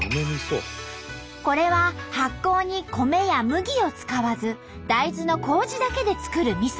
これは発酵に米や麦を使わず大豆のこうじだけでつくるみそ。